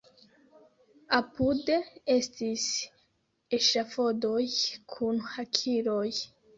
Apude estis eŝafodoj kun hakiloj.